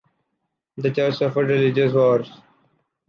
The church suffered religious wars.